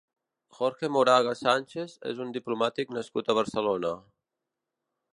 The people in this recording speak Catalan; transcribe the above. Jorge Moragas Sánchez és un diplomàtic nascut a Barcelona.